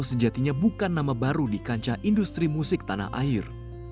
sejatinya bukan nama baru di kancah industri musik tanah air